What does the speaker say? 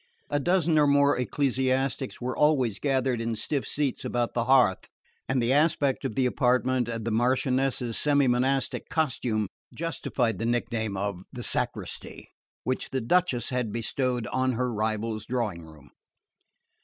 A dozen or more ecclesiastics were always gathered in stiff seats about the hearth; and the aspect of the apartment, and the Marchioness's semi monastic costume, justified the nickname of "the sacristy," which the Duchess had bestowed on her rival's drawing room.